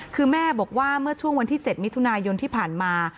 คือแม่บอกว่าเมื่อช่วงวันที่๗มิถุนายนที่ผ่านมา